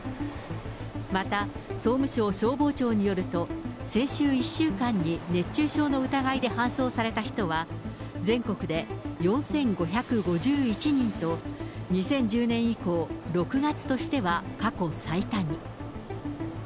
また、総務省消防庁によると、先週１週間に熱中症の疑いで搬送された人は、全国で４５５１人と、２０１０年以降、６月としては過去最多に。